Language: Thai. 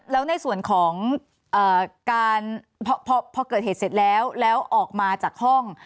แล้วในส่วนของการพอเกิดเหตุเสร็จแล้วแล้วออกมาจากห้อง